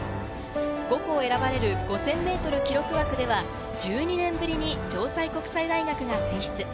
５校選ばれる５０００ｍ記録枠では１２年ぶりに城西国際大学が選出。